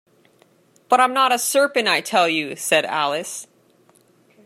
‘But I’m not a serpent, I tell you!’ said Alice.